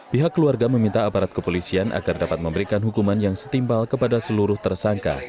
pihak keluarga meminta aparat kepolisian agar dapat memberikan hukuman yang setimpal kepada seluruh tersangka